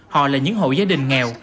họ là những hộ gia đình nghèo